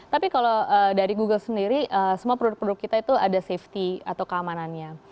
tapi kalau dari google sendiri semua produk produk kita itu ada safety atau keamanannya